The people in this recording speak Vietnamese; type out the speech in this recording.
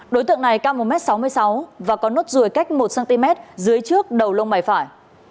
đối tượng này cao một m sáu mươi sáu và có nốt ruồi cách một cm dưới trước đầu lông mày phải